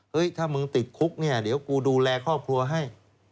เฮ้ยถ้ามึงติดคุกนี่เดี๋ยวคุณดูแลครอบครัวให้